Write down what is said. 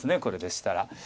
これでしたら。